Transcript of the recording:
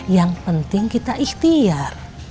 yang penting kita ikhtiar